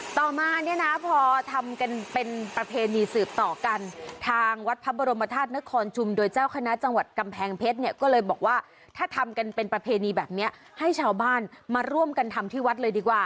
ต่อมาเนี่ยนะพอทำกันเป็นประเพณีสืบต่อกันทางวัดพระบรมธาตุนครชุมโดยเจ้าคณะจังหวัดกำแพงเพชรเนี่ยก็เลยบอกว่าถ้าทำกันเป็นประเพณีแบบนี้ให้ชาวบ้านมาร่วมกันทำที่วัดเลยดีกว่า